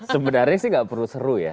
sebenarnya sih nggak perlu seru ya